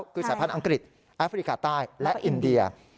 คือสายพันธ์อังกฤษแอฟริกาใต้และอินเดีย